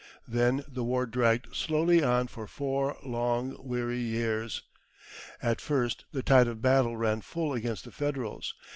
Then the war dragged slowly on for four long, weary years. At first the tide of battle ran full against the Federals.